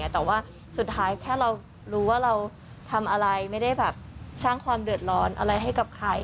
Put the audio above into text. แต่ว่าสุดท้ายแค่เรารู้ว่าเราทำอะไรไม่ได้แบบสร้างความเดือดร้อนอะไรให้กับใคร